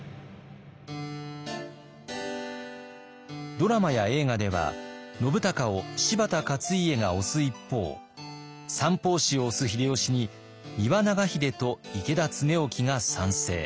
ドラマや映画では信孝を柴田勝家が推す一方三法師を推す秀吉に丹羽長秀と池田恒興が賛成。